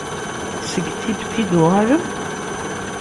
Seg Tibet i d-tuɣalem?